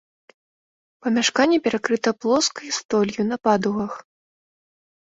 Памяшканне перакрыта плоскай столлю на падугах.